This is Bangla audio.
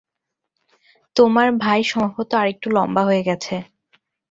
তোমার ভাই সম্ভবত আরেকটু লম্বা হয়ে গেছে।